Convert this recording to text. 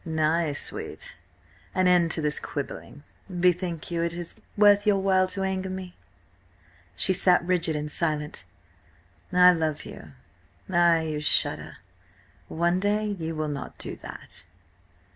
"Nay, sweet! An end to this quibbling. Bethink you, is it worth your while to anger me?" She sat rigid and silent. "I love you—ay, you shudder. One day you will not do that."